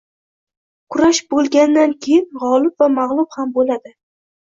Kurash boʻlgandan keyin, gʻolib va magʻlub ham boʻladi